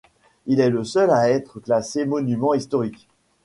Il est le seul à être classé Monument historique.